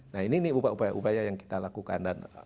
nah ini upaya upaya yang kita lakukan